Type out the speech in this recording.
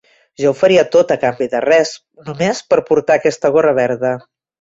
Jo ho faria tot a canvi de res, només per portar aquesta gorra verda.